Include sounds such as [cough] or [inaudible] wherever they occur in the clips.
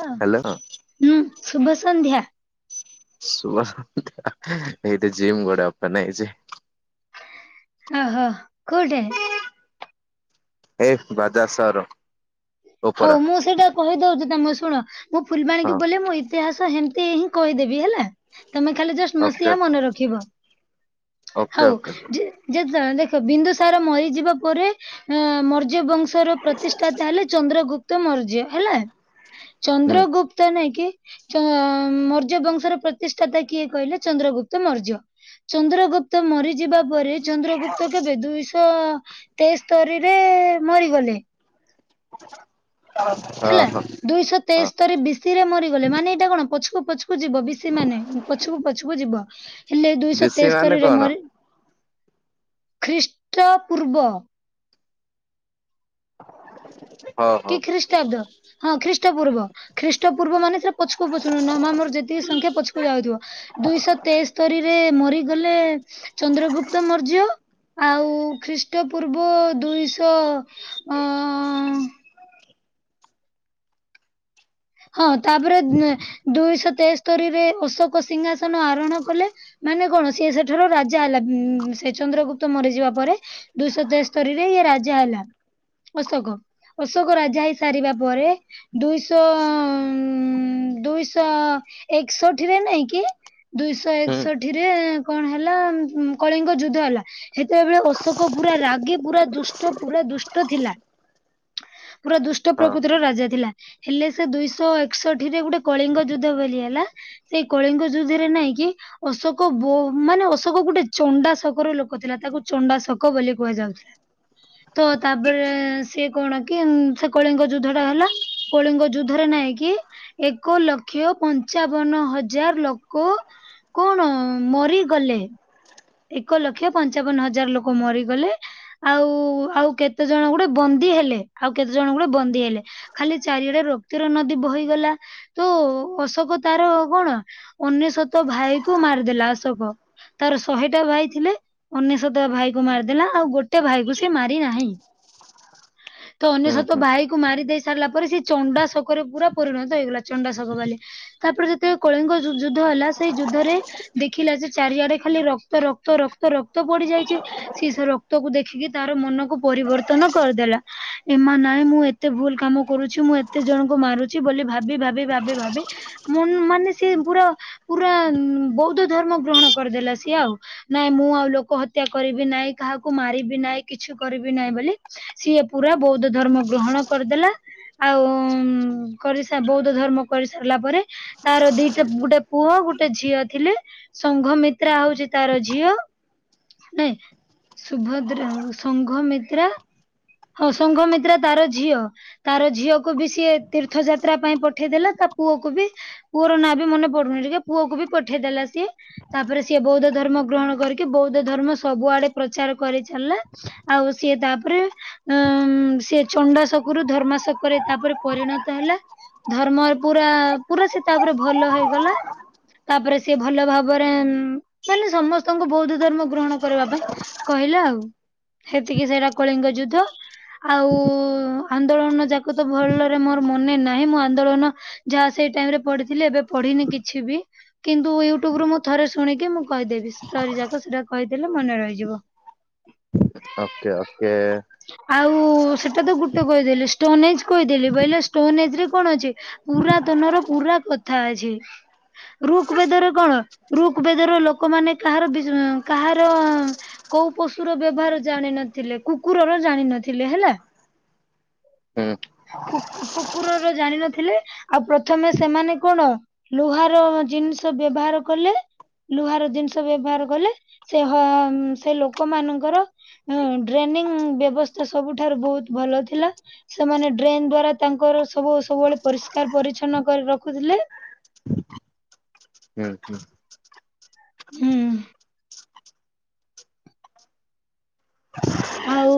ହଁ ହାଲୋ। ହୁଁ ଶୁଭ ସଂନ୍ଧ୍ୟା। ସୁଭସନ୍ଧ୍ୟା ଏଇଠି ଜିମ୍ ଗୋଟେ ଓପନ୍ ହେଇଛି। ଓ ହୋ କଉଠେ। ଏ ବାଜାଜ ସୋରୁମ୍।। ହଉ ମୁଁ ସେଇଟା କହିଦଉଚି ତମେ ଶୁଣ ମୁଁ ଫୁଲବାଣୀକୁ ଗଲେ ମୁଁ ଇ ଇତିହାସ ହେମିତି ହିଁ କହିଦେବି ହେଲା। ତମେ ଖାଲି ଜଷ୍ଟ ମସିହା ମନେ ରଖିବ ହଉ ଯି ଯେତେଦେଖ ବିନ୍ଦୁସାର ମରିଯିବା ପରେ ଅଂ ମର୍ଯ୍ୟବଂଶର ପ୍ରତିଷ୍ଠାତା ହେଲେ ଚନ୍ଦ୍ରଗୁପ୍ତ ମର୍ଯ୍ୟ ହେଲା ଚନ୍ଦ୍ରଗୁପ୍ତ ନାଇକି ଚ ମୌର୍ଯ୍ୟ ବଂଶର ପ୍ରତିଷ୍ଠାତା କିଏ କହିଲେ ଚନ୍ଦ୍ରଗୁପ୍ତ ମୌର୍ଯ୍ୟ। ଚନ୍ଦ୍ରଗୁପ୍ତ ମରିଯିବା ବା ପରେ ଚନ୍ଦ୍ରଗୁପ୍ତ କେବେ ଦୁଇଶହ ତେସ୍ତରିରେ ମରିଗଲେ। [unintelligible] ହ ହେଲା ଦୁଇଶ ହ ତେସ ତାରେ ବିଶିରେ ମରିଗଲେ ମାନେ ଏଇଟା କଣ ପଛକୁ ପଛୁକୁ ଯିବ ବିଶି ମାନେ ପଛକୁ ପଛୁକୁ ଯିବ। ହେଲେ ଦୁଇଶହ ବେଶୀ ମାନେ ତେସ୍ତରୀରେ କଣ ମରି ଖ୍ରୀଷ୍ଟ ପୂର୍ବ [unintelligible] କି ଖ୍ରୀଷ୍ଟାବ୍ଦ ହଁ ଖ୍ରୀଷ୍ଟ ପୂର୍ବ ଖ୍ରୀଷ୍ଟ ପୂର୍ବ ମାନେ ସେ ପଛକୁ ପଛୁନୁ ନ ଆମର ଯେତିକି ସଂଖ୍ୟା ପଛକୁ ଯାଉଥିବ ଦୁଇଶହ ତେସ୍ତରୀରେ ମ ବୋଲେ ଚନ୍ଦ୍ରଗୁପ୍ତ ମୌର୍ଯ୍ୟ ଆଉ ଖ୍ରୀଷ୍ଟ ପୂର୍ବ ଦୁଇଶହ ଅ ହଁ ତାପରେ ଦୁଇଶହତେସ୍ତରୀ ରେ ଅଶୋକ ସିଂହାସନ ଆରୋହଣ କଲେ। ମାନେ କଣ ସିଏ ସେଠାର ରାଜା ହେଲା ସେ ଚନ୍ଦ୍ରଗୁପ୍ତ ମରିଯିବା ପରେ। ଦୁଇଶହତେସ୍ତରୀ ରେ ଇଏ ରାଜା ହେଲା। ଅଶୋକ, ଅଶୋକ ରାଜା ହେଇସାରିବା ପରେ ଦୁଇଶ [inaudible] ଉଁ ଦୁଇଶହଏକଷଠି ରେ ନାଇଁ କି ହୁଁ ଦୁଇଶହଏକଷଠି ରେ କଣ ହେଲା, କଳିଙ୍ଗ ଯୁଦ୍ଧ ହେଲା। ସେତେବେଳେ ଅଶୋକ ପୁରା ରାଗି ପୁରା ଦୁଷ୍ଟ ପୁରା ଦୁଷ୍ଟ ଥିଲା। ପୁରା ଦୁଷ୍ଟ ହଁ ପ୍ରକୃତିର ରାଜା ଥିଲା। ହେଲେ ସେ ଦୁଇଶହଏକଷଠି ରେ ଗୋଟେ କଳିଙ୍ଗ ଯୁଦ୍ଧ ବୋଲି ହେଲା। ଏଇ କଳିଙ୍ଗ ଯୁଦ୍ଧରେ ନାଇଁ କିି ଅଶୋକ ବ ମାନେ ଅଶୋକ ଗୋଟେ ଚଣ୍ଡାଶୋକର ଲୋକ ଥିଲା, ତାକୁ ଚଣ୍ଡାଶକ ବୋଲି କୁହାଯାଉ ତ ତାପରେ ସିଏ କଣ କି ସେ କଳିଙ୍ଗ ଯୁଦ୍ଧ ଟା ହେଲା। କଳିଙ୍ଗ ଯୁଦ୍ଧରେ ନାଇଁ କି ଏକଲକ୍ଷ ପଞ୍ଚାବନହଜାର ଲୋକ କଣ, ମରିଗଲେ। ଏକଲକ୍ଷ ପଞ୍ଚାବନହଜାର ଲୋକ ମରିଗଲେ। ଆଉ ଆଉ କେତେ ଜଣ ଗୁଡେ ବନ୍ଦୀ ହେଲେ, ଆଉ କେତେ ଜଣ ଗୁଡେ ବନ୍ଦୀ ହେଲେ। ଖାଲି ଚାରିଆଡେ ରକ୍ତର ନଦୀ ବହିଗଲା, ତ ଅଶୋକ ତାର କଣ ଅନେଶ୍ଵତ ଭାଇ କୁ ମାରିଦେଲା ଅଶୋକ, ତାର ଶହେଟା ଭାଇ ଥିଲେ ଅନେଶ୍ଵତ ଭାଇ କୁ ମାରିଦେଲା, ଆଉ ଗୋଟେ ଭାଇ କୁ ସେ ମାରିନାହିଁ। ତ ହୁଁ ଅନେଶ୍ବତ ହୁଁ ଭାଇକୁ ମାରି ଦେଇ ସାରିଲା ପରେ ସେ ଚଣ୍ଡାଶୋକ ରେ ପୁରା ପରିଣତ ହେଇଗଲା ଚଣ୍ଡାଶକ ବଲି। ତାପରେ ଯେତେବେଳେ କଳିଙ୍ଗ ଯୁଦ୍ଧ ହେଲା ସେଇ ଯୁଦ୍ଧରେ ଦେଖିଲା ଯେ ଚାରିଆଡେ ଖାଲି ର ରକ୍ତ ରକ୍ତ ରକ୍ତ ରକ୍ତ ପଡିଯାଇଛି। ସିଏ ସେ ରକ୍ତକୁ ଦେଖିକି ତାର ମନକୁ ପରିବର୍ତ୍ତନ କରିଦେଲା, ଏ ମା ନାଇଁ ମୁଁ ଏତେ ଭୁଲ କାମ କରୁଛି ମୁଁ ଏତେ ଜଣଙ୍କୁ ମାରୁଛି ବୋଲି ଭାବି ଭାବି ଭାବି ଭାବି ମନ୍ ମାନେ ସିଏ ପୁରା, ପୁରା ବୌଦ୍ଧ ଧର୍ମ ଗ୍ରହଣ କରିଦେଲା ସିଏ ଆଉ। ନାଇଁ ମୁଁ ଆଉ ଲୋକ ହତ୍ୟା କରିବି ନାଇଁ, କାହାକୁ ମାରିବି ନାହିଁ, କିଛି କରିବି ନାହିଁ ବୋଲି ସିଏ ପୁରା ବୌଦ୍ଧ ଧର୍ମ ଗ୍ରହଣ କରିଦେଲା। ଆଉ କରି ସା ବୌଦ୍ଧ ଧର୍ମ କରିସାରିଲା ପରେ ତାର ଦିଟା ଗୋଟେ ପୁଅ ଗୋଟେ ଝିଅ ଥିଲେ, ସଂଘମିତ୍ରା ହଉଛି ତାର ଝିଅ, ନାଇ ସୁଭଦ୍ରା ସଂଘମିତ୍ରା ହଁ ସଂଘମିତ୍ରା ତାର ଝିଅ ତାର ଝିଅକୁ ବି ସିଏ ତୀର୍ଥ ଯାତ୍ରା ପାଇଁ ପଠେଇ ଦେଲା, ତା ପୁଅକୁ ବି ପୁଅର ନାଁ ବି ମନେ ପଡୁନି ଟିକେ ପୁଅକୁ ବି ପଠେଇଦେଲା ସିଏ, ତାପରେ ସିଏ ବଉ ତ ଧର୍ମ ଗ୍ରହଣ କରିକି ବୌଦ୍ଧ ଧର୍ମ ସବୁଆଡେ ପ୍ରଚାର କରିଚାଲିଲା, ଆଉ ସିଏ ତାପରେ ସେ ଚଣ୍ଡାଶୋକ ରୁ ଧର୍ମାଶୋକ ରେ ତାପରେ ପରିଣତ ହେଲା। ଧର୍ମ ପୁରା ପୁରା ସେ ତାପରେ ଭଲ ହେଇଗଲା। ତାପରେ ସିଏ ଭଲ ଭାବରେ ମାନେ ସମସ୍ତଙ୍କୁ ବୌଦ୍ଧ ଧର୍ମ ଗ୍ରହଣ କରିବା ପାଇଁ କହିଲା ଆଉ। ସେତିକି ସେଇଟା କଳିଙ୍ଗ ଯୁଦ୍ଧ ଆଉ ଆନ୍ଦୋଳନ ଯାକ ତ ଭଲରେ ମୋର ମନେ ନାହିଁ, ମୁଁ ଆନ୍ଦୋଳନ ଯାହା ସେଇ ଟାଇମରେ ପଢିଥିଲି ଏବେ ପଢିନି କିଛି ବି କିନ୍ତୁ ୟୁ ଟ୍ୟୁବ ରୁ ମୁଁ ଥରେ ଶୁଣିକି ମୁ କହିଦେବି, ଷ୍ଟୋରି ଯାକ ସେଟା କହିଦେଲେ ମନେ ରହିଯିବ। ସତ୍ୟ ଓକେ। ଆଉ ସେଟା ତ ଗୋଟେ କହିଦେଲି ଷ୍ଟୋନେଜି କହିଦେଲି, ବୋଇଲେ ଷ୍ଟୋନେଜିରେ କଣ ଅଛି? ପୁରାତନ ର ପୁରା କଥା ଅଛି। ଋକ ବେଦରେ କଣ ଋକ୍ ବେଦର ଲୋକମାନେ କାହାର କାହାର କୋଉ ପଶୁର ବ୍ୟବହାର ଜାଣିନଥିଲେ କୁକୁରର ଜାଣିନଥିଲେ ହେଲା। ହୁଁ। କୁକୁରର ଜାଣିନଥିଲେ ଆଉ ପ୍ରଥମେ ସେମାନେ କଣ ଲୁହାର ଜିନିଷ ବ୍ୟବହାର କଲେ ଲୁହାର ଜିନିଷ ବ୍ୟବହାର କଲେ ସେ ହ ସେ ଲୋକ ମାନଙ୍କର ହଁ ଡ୍ରେନିଂ ବ୍ୟବସ୍ଥା ସବୁଠାରୁ ବହୁତ ଭଲ ଥିଲା। ସେମାନେ ଡ୍ରେନ ଦ୍ଵାରା ତାଙ୍କର ସବୁ ସବୁବେଳେ ପରିଷ୍କାର ପରିଛନ୍ନ କରି ରଖୁଥିଲେ। ଉଁ ହୁଁ। ହୁଁ। ଆଉ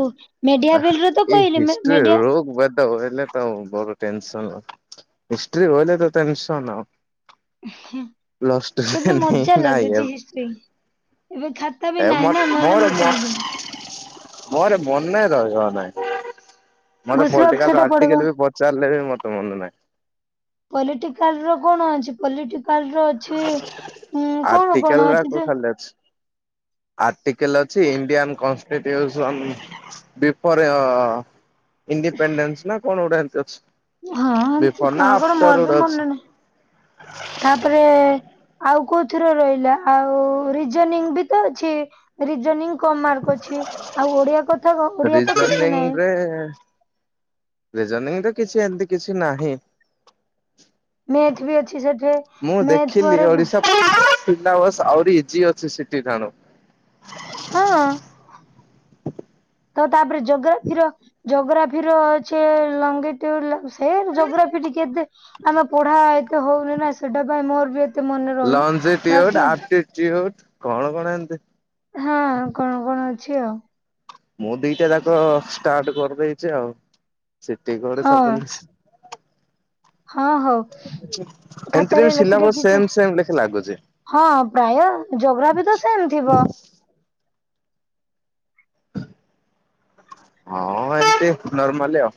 ମେଡିଆ ବିଲ୍ ର ତ କଇଲେ ମେମେଡ଼ିଆ ତରହିଲେ ତୋ ଘରେ ଟେନ୍‌ସନ୍ ହିଷ୍କ୍ରି ବୋଇଲେ ତ ଟେନସନ୍ ହିଁ ରେ କେତେ ନେଇ ମଜା ନାଇଁ ଲାଗୁଚି ହିଷ୍ଟ୍ରି ଏବେ ଖାତ୍ ଖାତା ବି ନାଇଁ ନା ନହେଲେ ମୁଁ କହିଦେବି। ମୋରେ ମନେ ରହିବ ନାହିଁ। ମତେ ଘୋଷିବାକୁ ପଲିଟିକାଲ ସେଟା ପଡିବ। ଆର୍ଟିକାଲି ବି ପଚାରିଲେ ବି ମତେ ମନେ ନାହିଁ। ପଲିଟିକାଲ ର କଣ ଅଛି ପଲିଟିକାଲ ର ଅଛି ଉଁ କଣ କଣ ଆର୍ଟିକାଲ ରା ଅଛି କୋଉ ଯେ ଖାଲିଅଛି। ଆର୍ଟିକାଲ ଅଛି ଇଣ୍ଡିଆନ୍ କନଷ୍ଟିଟ୍ୟୁସନ ବିଫୋର ରେ ଇଡିପେଣ୍ଡେନ୍ସ ନା କଣ ଗୋଟେ ଏମିତି ଅଛି। ହଁ ଏମିତି ବିଫୋର ନା କଣ କଣ ଆଫ୍ଟର ମୋର ବି ଗୋଟେ ଅଛି। ମନେ ନାହିଁ ତାପରେ ଆଉ କୋଉଥିର ରହିଲା ଆଉ ରିଜାନିଙ୍ଗ ବି ତ ଅଛି ରିଜା ନିଙ୍ଗ କମ ମାର୍କ ଅଛି ଆଉ ଓଡିଆ କଥା କହ ଓଡିଆ ତ କିଛି ନହିଁ। ଏଁ ଏଁ ରିଜନିଙ୍ଗ୍ ତ କିଛି ଏମିତି କିଛି ନାହିଁ। ମେ ଏଠି ବି ଅଛି ସେଠି। ମୁଁ ମେଥ ଦେଖିଲି ପରେ ଓଡିଶା [unintelligible] ବସ ଆହୁରି ଇଜି ଅଛି ସିଟି ଠାଣୁ। ହଁ ତ ତାପରେ ଯୋଗ୍ରାଫିର ଜୋଗ୍ରାଫିର ଅଛି ଲଙ୍ଗେ ଟୁ ସେ ଜୋଗ୍ରାଫି ଟିକେ ଦେ ଆମେ ପଢା ଏତେ ହୋଉନି ନାଁ ସେଟା ପାଇଁ ମୋର ବି ଏ ଲଞ୍ଜିଟିଉଡ଼, ଆର୍ଟିଚିଉଡ଼ କଣ କଣ ଏମତି। ହଁ କଣ କଣ ଅଛି ଆଉ। ମୁଁ ଦିଟା ଯାକ ଷ୍ଟାର୍ଟ କରଦେଇଚି ଆଉ ସେଠି ଘରେ ହଁ ସବୁନସ। ହଁ ହଉ। ଏମିତିରେ ଖାତାରେ ବି ଲେଖି ସିଲାବସ ଲେଖିଛି ସେମ ସେମ ଲେଖ ଲାଗୁଚି। ହଁ ପ୍ରାୟ ଜୋଗ୍ରାଫି ତ ସେମ୍ ଥିବ। ହଁ ଏତେ ନର୍ମାଲି ଆଉ।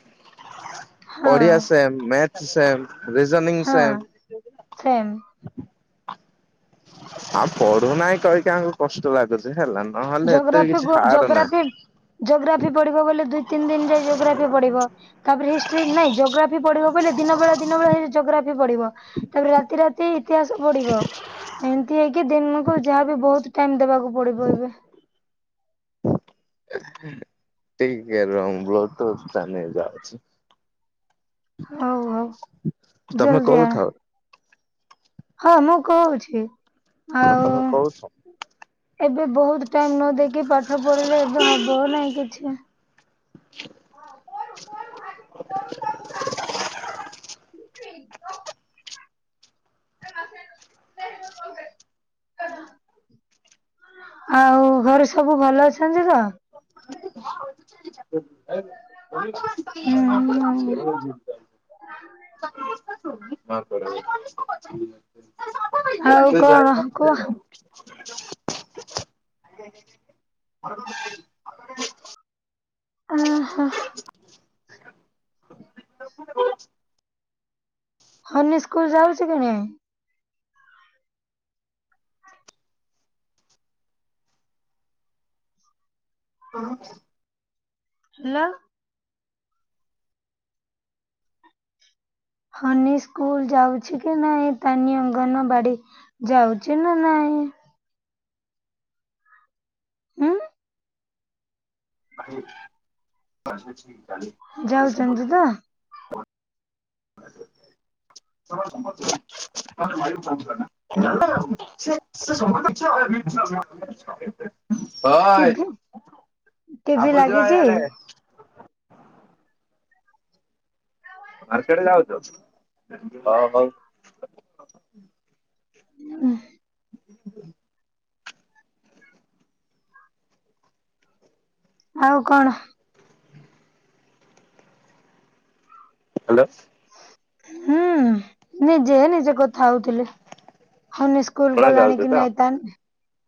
ହଁ Odia same, math same. Reasoning ହଁ ସେମ୍ ସେମ୍। ଆଉ ପଢୁନାହିଁ କହିକି ଆମଙ୍କୁ କଷ୍ଟ ଲାଗୁଚି ହେଲାନ। ଜୋଗ୍ରାଫି ଗୋ ଜୋଗ୍ରାଫି ଜୋଗ୍ରାଫି ପଢିବ ବୋଲି ଦୁଇ ତିନି ଦିନ ଯାଇ ଜୋଗ୍ରାଫି ପଢିବ। ତାପରେ ହିଷ୍ଟ୍ରି ନାଇଁ ଜୋଗ୍ରାଫି ପଢିବ କଇଲେ ଦିନ ବେଳା ଦିନ ବେଳା ଏଇ ଜୋଗ୍ରାଫି ପଢିବ। ତାପରେ ରାତି ରାତି ଇତିହାସ ପଢିବ। ଏମତି ହେଇକି ଦିମକୁ ଯାହାବି ବୋହୁତ ଟାଇମ ଦେବାକୁ ପଡିବ ଏବେ। ଟିକେ ରୁମ ରୁହନ୍ତୁ ସାନେ ନେ ଯାଉଛି। ହଉ ଆଉ ତମେ ଜଲ୍ଦି ଆ। କହୁଥାଅ ହଁ ମୁଁ କୋହୁଛି। ସତରେ କୋଉଛୁ। ଏବେ ବୋହୁତ ଟାଇମ ନ ଦେଇକି ପାଠ ପଢିଲେ ଏବେ ହବ ନାଇଁ କିଛି। [inaudible] ଆଉ ଘରେ ସବୁ ଭଲ ଅଛନ୍ତି ତ? [unintelligible] ହୁଁ [unintelligible] ଆଉ କଣ କୁହ? [unintelligible] [unintelligible] ଆହା ଆଃ [unintelligible] [unintelligible] ହନୀ ସ୍କୁଲ ଯାଉଚି କିଣି? ହଁ ଲ ହନୀ ସ୍କୁଲ ଯାଉଛି କି ନାଇଁ ତାନି ଅଙ୍ଗନବାଡି? ଯାଉଚି ନା ନାଇଁ? ଉଁ ଆଜି [unintelligible] ଯାଉଚନ୍ତି ତ? [unintelligible] ଟିଭି [unintelligible] ଟିଭି ଆବୁ ଯା ଲାଗିଚି? ଇଆଡେ ମାର୍କେଟ ଯାଉଚ ହ ହଉ। ଉଃ ହୁଁ ଆଉ କଣ? ହାଲୋ ହୁଁ ନିଜେ ନିଜେ କଥା ହଉଥିଲେ ହନି ସ୍କୁଲ ଶୁଣା ଗଲାଣିି ଯାଉଛି କି ତ? ନାଇଥାନ୍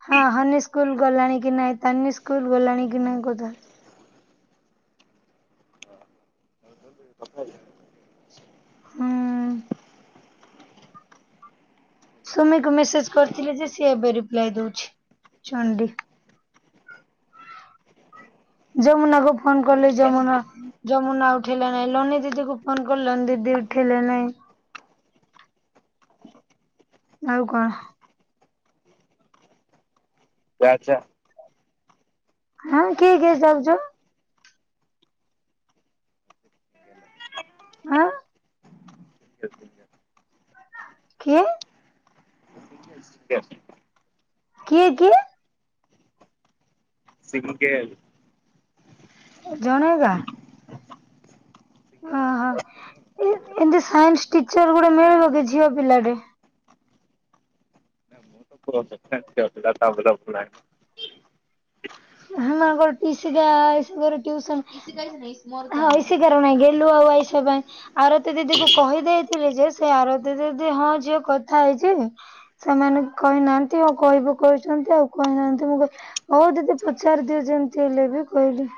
ହଁ ହନି ସ୍କୁଲ ଗଲାଣି କି ନାଇଁ ତାନି ସ୍କୁଲ ଗଲାଣି କି ନାଇଁ କ [unintelligible] ହୁଁ ସୁମିକୁ ମେସେଜ କରିଥିଲେ ଯେ ସିଏ ଏବେ ରିପ୍ଲାଏ ଦଉଛି ଚଣ୍ଡୀ। ଯମୁନା କୁ ଫୋନ କଲି ଯମୁନା ଯମୁନା ଉଠିଲେ ନାଇଁ ଲୋନି ଦିଦି କୁ ଫୋନ ଲୋନ ଦିଦି ଉଠିଲେ ନାଇଁ। ଆଉ କଣ? [unintelligible] ଆଉ କିଏ କି ଯାଉଚ? ଆ? [unintelligible] କିଏ? [unintelligible] କିଏ କିଏ? [unintelligible] ଜଣେକା? ଓହୋ ଏନ୍ତି ସାଇନ୍ସ ଟିଚର ଗୋଟେ ମିଳିବ କି ଝିଅ ପିଲା ଟେ? [unintelligible] [unintelligible] ହଁ [unintelligible] ଆଉ ଆଇସା ପାଇଁ [unintelligible] ଆରତୀ ଦିଦି କୁ କହିଦେଇଥିଲି ଯେ ସେ ଆରତୀ ଦିଦି ହଁ ଝିଅ କଥା ହେଇଚି ସେମାନେ କହିନାହାନ୍ତି ଆଉ କହିବୁ କହୁଛନ୍ତି ଆଉ କହିନାହାନ୍ତି ମୁଁ କି ହଉ ଦିଦି ପଚାରିଦିଅ ଯେମିତି ହେଲେ ବି କହିଲି।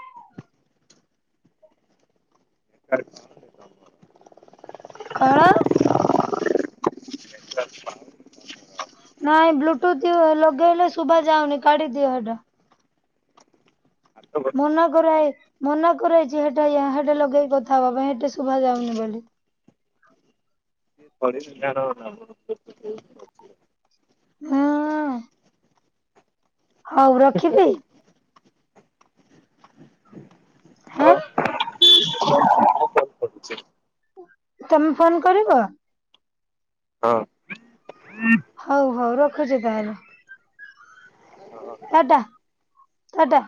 [unintelligible] କଣ? ନାଇଁ ବ୍ଲୁଟୁଥ ଲଗେଇଲେ ଶୁଭା ଯାଉନି କାଢି ଦିଅ ହେଟା ମନା କର, ମନା କରାହେଇଛି ହେଟା ହେଟା ଲଗେଇକି କଥା ହବା ପାଇଁ ହେଟା ଶୁଭା ଯାଉନି ବୋଲି। ପଶ [unintelligible] ହଁ। ହଉ ରଖିବି। ହେଁ ତମେ ଫୋନ କରିବ? ହଉ ହଉ, ରଖୁଚି ତାହେଲେ। କାଟ କାଟ।